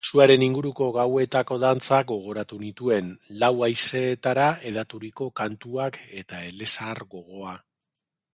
Suaren inguruko gauetako dantzak gogoratu nituen, lau haizeetara hedaturiko kantuak, eta elezahar gogoa.